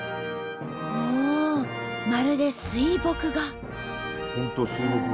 おおまるで水墨画。